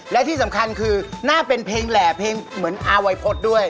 และที่สำคัญคือน่าเป็นเพลงแหล่เพลงเหมือนอาวัยพฤษด้วย